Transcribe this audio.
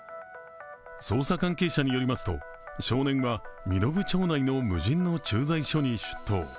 捜査関係者によりますと少年が身延町内の無人の駐屯所に出頭。